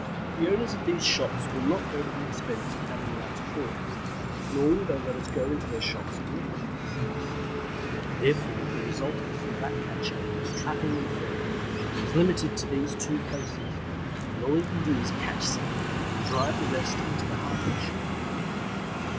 The owners of these shops will not go to the expense of having Rats caught, nor will they let us go into their shops at midnight; therefore the result is the Rat catcher in his trapping and ferreting is limited to these two places, and all he can do is to catch some and drive the rest into the hardware shop.